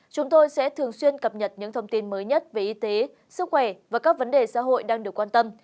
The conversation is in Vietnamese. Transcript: chúng tôi sẽ thường xuyên cập nhật những thông tin mới nhất về y tế sức khỏe và các vấn đề xã hội đang được quan tâm